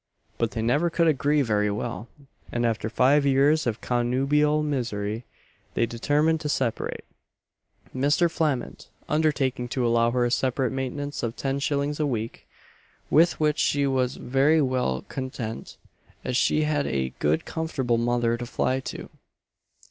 But they never could agree very well; and after five years of connubial misery, they determined to separate Mr. Flament undertaking to allow her a separate maintenance of ten shillings a week; with which she was very well content, as she had "a good comfortable mother to fly to."